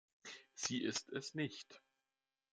Sie ist es nicht!